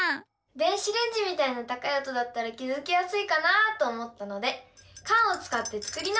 電子レンジみたいな高い音だったら気付きやすいかなと思ったのでカンをつかって作り直してみました！